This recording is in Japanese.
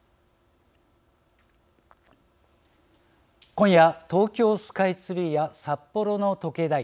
今夜東京スカイツリーや札幌の時計台